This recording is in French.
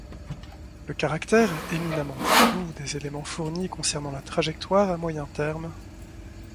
Le caractère éminemment flou des éléments fournis concernant la trajectoire à moyen terme